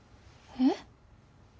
えっ？